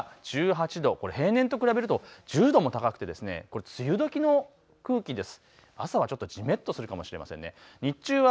最低気温が１８度、平年と比べると１０度も高くて梅雨時の空気です。